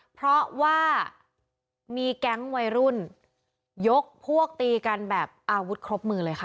เพราะว่ามีแก๊งวัยรุ่นยกพวกตีกันแบบอาวุธครบมือเลยค่ะ